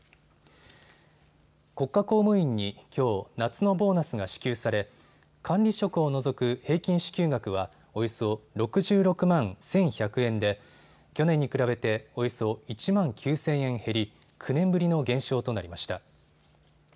国家公務員にきょう夏のボーナスが支給され管理職を除く平均支給額はおよそ６６万１１００円で去年に比べておよそ１万９０００円減り９年ぶりの減少となりました。